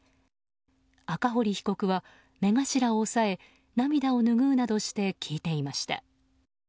赤堀被告は、目頭を押さえ涙をぬぐうなどして聞いていました。